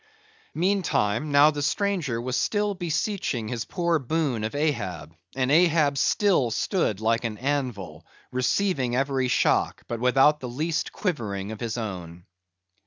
Meantime, now the stranger was still beseeching his poor boon of Ahab; and Ahab still stood like an anvil, receiving every shock, but without the least quivering of his own.